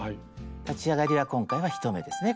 立ち上がりは今回は１目ですね